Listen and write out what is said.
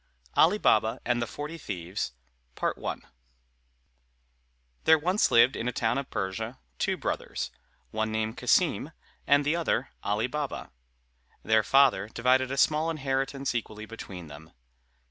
_ ALI BABA AND THE FORTY THIEVES There once lived in a town of Persia two brothers, one named Cassim, and the other Ali Baba. Their father divided a small inheritance equally between them.